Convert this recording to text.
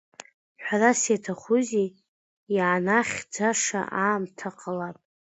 Ҳәарас иаҭахузеи, ианахьӡаша аамҭа ҟалап.